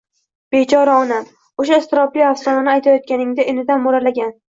Bechora onam! O'sha iztirobli afsonani aytayotganingda inidan mo'ralagan